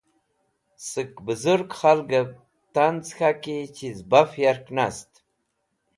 Sẽk Buzurg Khalgev Tanz̃ K̃haki chiz Baf yark nast